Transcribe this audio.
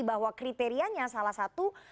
bahwa kriterianya salah satu